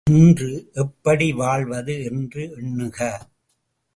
இன்று எப்படி வாழ்வது என்று எண்ணுக!